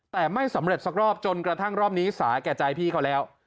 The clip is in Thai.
แต่ไม่สำเร็จสักรอบจนกระทั่งรอบนี้สาแก่ใจพี่เขาแล้ว